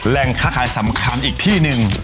ค้าขายสำคัญอีกที่หนึ่ง